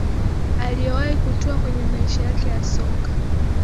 aliyowahi kutwaa kwenye maisha yake ya soka